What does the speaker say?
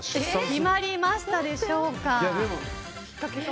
決まりましたでしょうか。